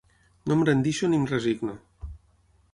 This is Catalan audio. No em rendeixo ni em resigno.